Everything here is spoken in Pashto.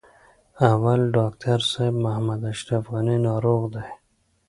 اول: ډاکټر صاحب محمد اشرف غني ناروغ دی.